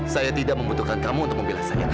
saya tidak membutuhkan kamu untuk membela saya